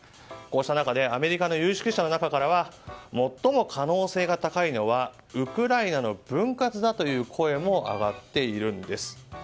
こうした中でアメリカの有識者の中からは最も可能性が高いのはウクライナの分割だという声も上がっているんです。